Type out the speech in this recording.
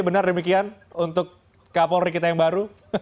benar demikian untuk kapolri kita yang baru